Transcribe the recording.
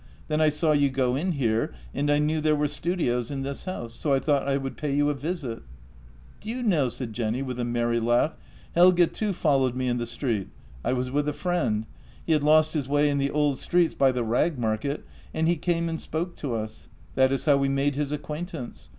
Then I saw you go in here, and I knew there were studios in this house, so I thought I would pay you a visit." " Do you know," said Jenny, with a merry laugh, " Helge too followed me in the street — I was with a friend. He had lost his way in the old streets by the rag market, and he came and spoke to us. That is how we made his acquaintance.